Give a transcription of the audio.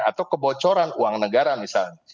atau kebocoran uang negara misalnya